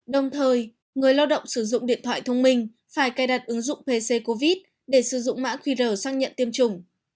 đồng thời người lao động sử dụng điện thoại thông minh phải cài đặt ứng dụng pc covid để sử dụng mã qr sang nhận tiêm chủng